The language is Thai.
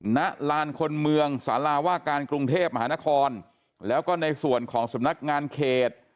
ณลานคนเมืองสาราว่าการกรุงเทพมหานครแล้วก็ในส่วนของสำนักงานเขต